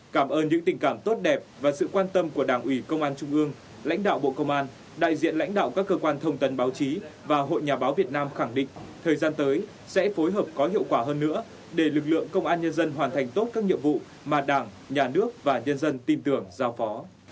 cảm ơn những tình cảm tốt đẹp và sự quan tâm của đảng ủy công an trung ương lãnh đạo bộ công an đại diện lãnh đạo các cơ quan thông tấn báo chí và hội nhà báo việt nam khẳng định thời gian tới sẽ phối hợp có hiệu quả hơn nữa để lực lượng công an nhân dân hoàn thành tốt các nhiệm vụ mà đảng nhà nước và nhân dân tin tưởng giao phó